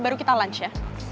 baru kita lunch ya